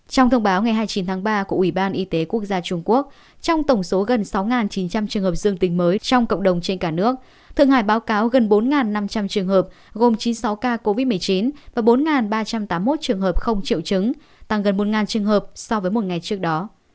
trong thông báo ngày hai mươi chín tháng ba của ủy ban y tế quốc gia trung quốc trong tổng số gần sáu chín trăm linh trường hợp dương tình mới trong cộng đồng trên cả nước thượng hải báo cáo gần bốn năm trăm linh trường hợp gồm chín mươi sáu ca covid một mươi chín và bốn ba trăm tám mươi một trường hợp không triệu chứng tăng gần một trường hợp so với một ngày trước đó